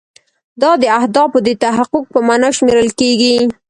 دا د اهدافو د تحقق په معنا شمیرل کیږي.